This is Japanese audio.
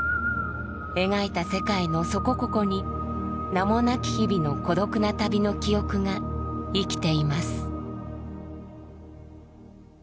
描いた世界のそこここに名もなき日々の孤独な旅の記憶が生きています。